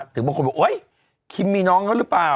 ถึงบางคนบอกโอ๊ยคิมมีน้องเขาหรือเปล่า